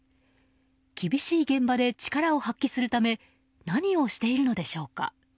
厳しい現場で力を発揮するため何をしているのでしょうか。